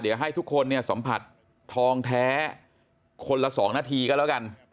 เดี๋ยวให้ทุกคนเนี่ยสัมผัสทองแท้คนละ๒นาทีก็แล้วกัน